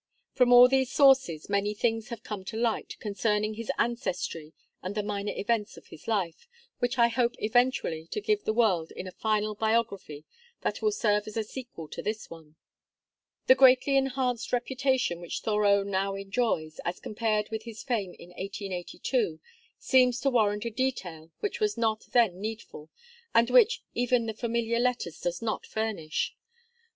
From all these sources many things have come to light concerning his ancestry and the minor events of his life, which I hope eventually to give the world in a final biography that will serve as a sequel to this one. The greatly enhanced reputation which Thoreau now enjoys, as compared with his fame in 1882, seems to warrant a detail which was not then needful, and which even the "Familiar Letters" does not furnish.